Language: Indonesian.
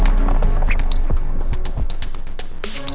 mau temenin jesi di sini ya baik biarin dia tidur di kamar saya